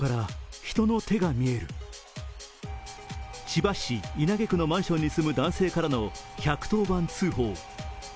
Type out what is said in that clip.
千葉市稲毛区のマンションに住む男性からの１１０番通報。